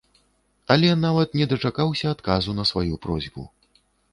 Але нават не дачакаўся адказу на сваю просьбу.